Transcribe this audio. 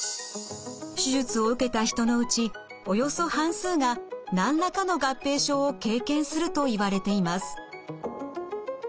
手術を受けた人のうちおよそ半数が何らかの合併症を経験するといわれています。